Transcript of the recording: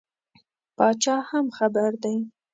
پاچا هم خبر دی.